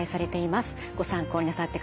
ご参考になさってください。